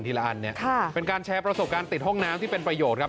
ละอันเนี่ยค่ะเป็นการแชร์ประสบการณ์ติดห้องน้ำที่เป็นประโยชน์ครับ